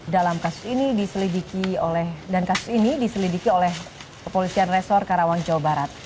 dalam kasus ini diselidiki oleh kepolisian resor karawang jawa barat